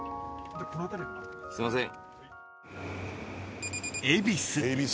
すいません。